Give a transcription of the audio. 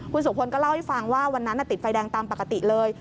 คุณสุพลก็เล่าให้ฟังว่าวันนั้นติดไฟแดงตามปกติเลย